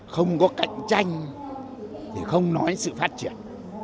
không có cạnh tranh thì không nói sự phát triển